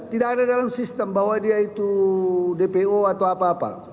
tidak ada dalam sistem bahwa dia itu dpo atau apa apa